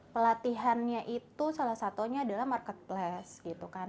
pelatihannya itu salah satunya adalah marketplace